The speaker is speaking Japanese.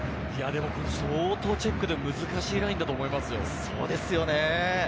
相当チェックで難しいラインだと思いますよ。